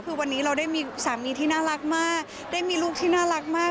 คือวันนี้เราได้มีสามีที่น่ารักมากได้มีลูกที่น่ารักมาก